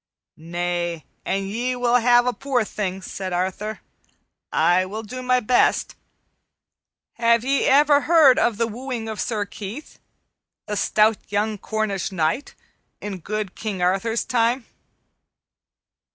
"Nay, an ye will ha' a poor thing," said Arthur, "I will do my best. Have ye ever heard of the wooing of Sir Keith, the stout young Cornish knight, in good King Arthur's time?"